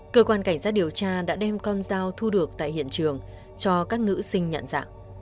cơ quan cảnh sát điều tra đã đem con dao thu được tại hiện trường cho các nữ sinh nhận dạng